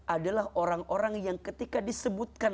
adalah orang orang yang ketika disebutkan